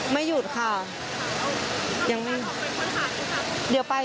ไม่หยุดค่ะ